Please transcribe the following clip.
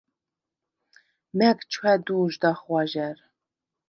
მა̈გ ჩვა̈დუ̄ჟდახ ღვაჟა̈რ.